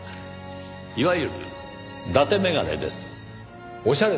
いわゆるだて眼鏡です。